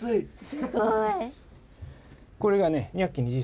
すごい！